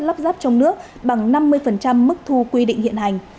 lắp ráp trong nước bằng năm mươi mức thu quy định hiện hành